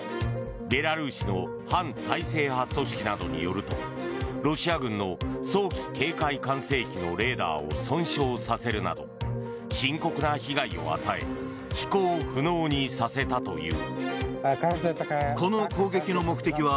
ベラルーシの反体制派組織などによるとロシア軍の早期警戒管制機のレーダーを損傷させるなど深刻な被害を与え飛行不能にさせたという。